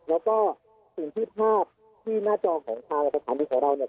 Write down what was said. แล้วก็สิ่งที่ภาพที่หน้าจอของทางสถานีของเราเนี่ย